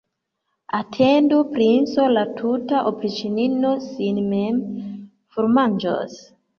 Atendu, princo, la tuta opriĉnino sin mem formanĝos.